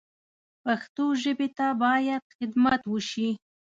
پښتو ژبې ته باید خدمت وشي